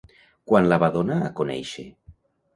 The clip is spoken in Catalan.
Quan la va donar a conèixer?